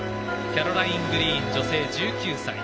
キャロライン・グリーン女性、１９歳。